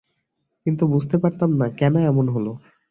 কিন্তু বুঝতে পারতাম না, কেন এমন হল।